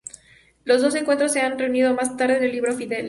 Los dos encuentros se han reunido más tarde en el libro "Fidel".